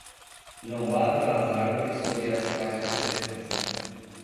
Não bata as árvores sob as quais você descansa.